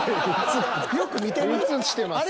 よく見てみ。